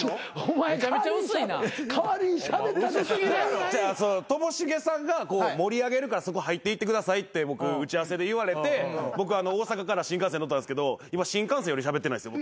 何？ともしげさんが盛り上げるからそこ入っていってくださいって僕打ち合わせで言われて僕大阪から新幹線乗ったんですけど今新幹線よりしゃべってないですよ。